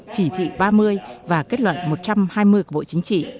chỉ thị ba mươi và kết luận một trăm hai mươi của bộ chính trị